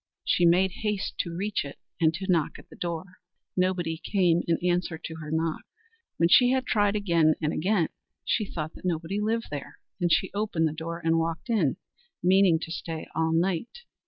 She made haste to reach it, and to knock at the door. Nobody came in answer to her knock. When she had tried again and again, she thought that nobody lived there; and she opened the door and walked in, meaning to stay all night.